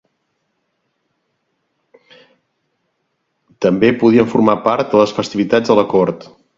També podien formar part de les festivitats de la cort.